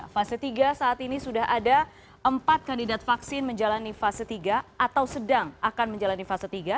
fase tiga saat ini sudah ada empat kandidat vaksin menjalani fase tiga atau sedang akan menjalani fase tiga